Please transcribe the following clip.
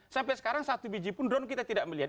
sampai sekarang satu biji pun drone kita tidak melihat